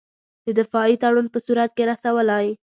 د دفاعي تړون په صورت کې رسولای.